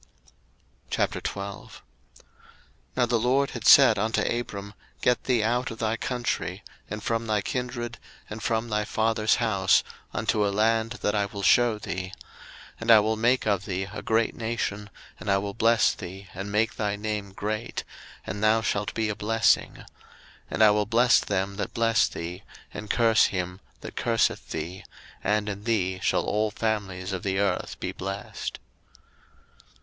01:012:001 Now the LORD had said unto Abram, Get thee out of thy country, and from thy kindred, and from thy father's house, unto a land that I will shew thee: 01:012:002 And I will make of thee a great nation, and I will bless thee, and make thy name great; and thou shalt be a blessing: 01:012:003 And I will bless them that bless thee, and curse him that curseth thee: and in thee shall all families of the earth be blessed.